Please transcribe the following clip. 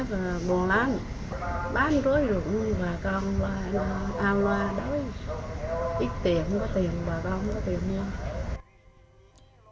hôm nay bán rưỡi rụng bà con ăn loa ít tiền bà con không có tiền nha